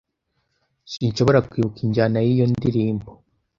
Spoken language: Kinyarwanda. Sinshobora kwibuka injyana y'iyo ndirimbo.